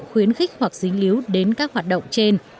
khuyến khích hoặc dính líu đến các hoạt động trên